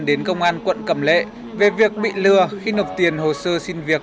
đến công an quận cầm lệ về việc bị lừa khi nộp tiền hồ sơ xin việc